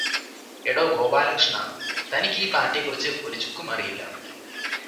എടോ ഗോപാലകൃഷ്ണാ തനിക്ക് ഈ പാർടിയെക്കുറിച്ച് ഒരു ചുക്കും അറിയില്ല